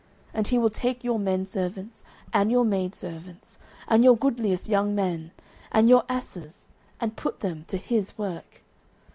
09:008:016 And he will take your menservants, and your maidservants, and your goodliest young men, and your asses, and put them to his work.